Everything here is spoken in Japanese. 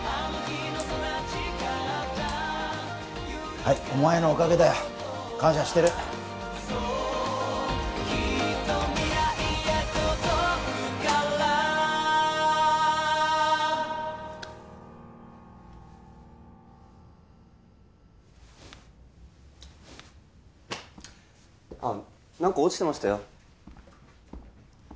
はいお前のおかげだよ感謝してるああ何か落ちてましたよ